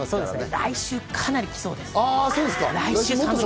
来週、かなり来そうです。